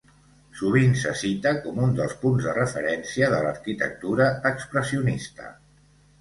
Sovint se cita com un dels punts de referència de l'arquitectura expressionista.